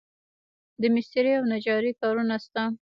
د مسترۍ او نجارۍ کارونه شته